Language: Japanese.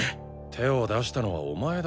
手を出したのはお前だろう？